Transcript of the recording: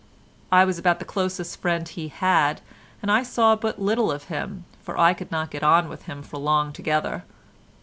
I was about the closest friend he had, and I saw but little of him, for I could not get on with him for long together.